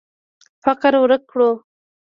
فقر ورک کړو.